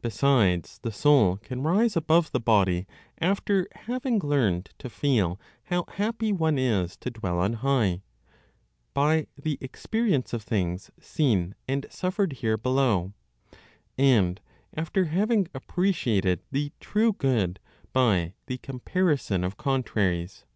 Besides, the soul can rise above the body after having learned to feel how happy one is to dwell on high, by the experience of things seen and suffered here below, and after having appreciated the true Good by the comparison of contraries.